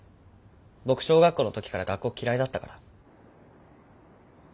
僕小学校の時から学校嫌いだったから。